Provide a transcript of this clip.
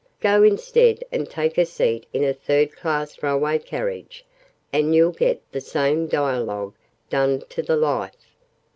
Go instead and take a seat in a third class railway carriage, and you'll get the same dialogue done to the life!